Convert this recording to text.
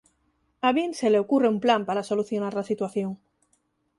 A Bean se le ocurre un plan para solucionar la situación.